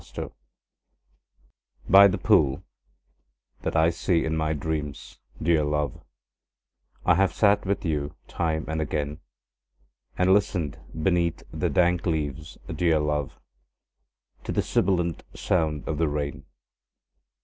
THE POOL By the pool that I see in my dreams, dear love, I have sat with you time and again; And listened beneath the dank leaves, dear love, To the sibilant sound of the rain.